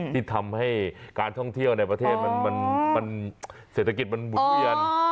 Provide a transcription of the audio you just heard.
ที่ทำให้การท่องเที่ยวในประเทศเศรษฐกิจมันหมุนเวียน